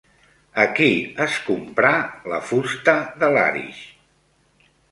A qui es comprà la fusta de làrix?